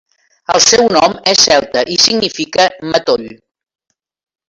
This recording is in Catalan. El seu nom és celta i significa "matoll".